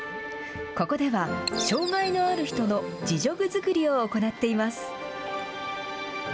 ここでは、障害のある人の自助具作りを行っています。